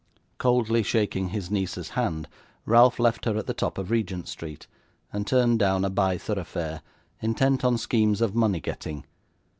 Coldly shaking his niece's hand, Ralph left her at the top of Regent Street, and turned down a by thoroughfare, intent on schemes of money getting.